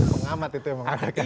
mengamat itu yang mengatakan